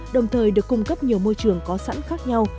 đồng thời được cung cấp nhiều môi trường có sẵn khác nhau